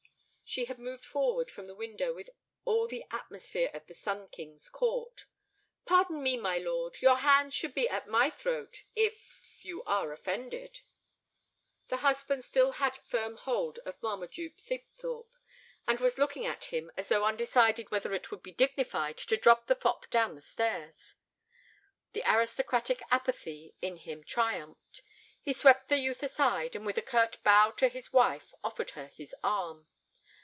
She had moved forward from the window with all the atmosphere of the Sun King's court. "Pardon me, my lord. Your hand should be at my throat—if—you are offended." The husband still had a firm hold of Marmaduke Thibthorp, and was looking at him as though undecided whether it would be dignified to drop the fop down the stairs. The aristocratic apathy in him triumphed. He swept the youth aside, and with a curt bow to his wife, offered her his arm.